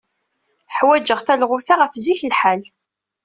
Ḥwajeɣ talɣut-a ɣef zik lḥal.